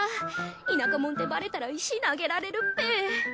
田舎もんってバレたら石投げられるっぺ。